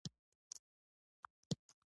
ملګری له خفګانه راوباسي